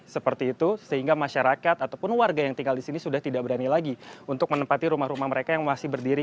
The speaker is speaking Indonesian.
seperti itu sehingga masyarakat ataupun warga yang tinggal di sini sudah tidak berani lagi untuk menempati rumah rumah mereka yang masih berdiri